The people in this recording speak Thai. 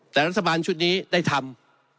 แต่รัฐบาลชุดนี้ได้ทำ